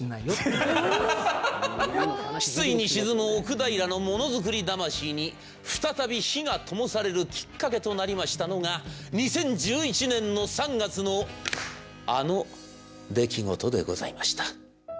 失意に沈む奥平のものづくり魂に再び火がともされるきっかけとなりましたのが２０１１年３月のあの出来事でございました。